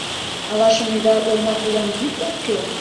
Але, шонеда, олмапулан вӱд ок кӱл?